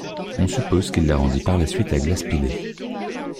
On suppose qu'il la rendit par la suite à Glace Pîlé.